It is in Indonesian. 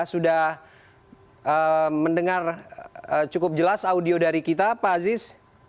sudah mendengar cukup jelas audio dari kita pak aziz